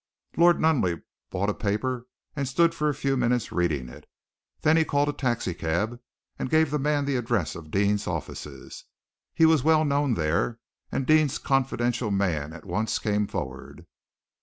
Lord Nunneley bought a paper, and stood for a few minutes reading it. Then he called a taxicab, and gave the man the address of Deane's offices. He was well known there, and Deane's confidential man at once came forward.